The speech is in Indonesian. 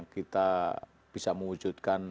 kita bisa mewujudkan